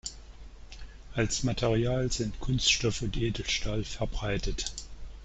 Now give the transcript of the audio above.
Als Material sind Kunststoff und Edelstahl verbreitet.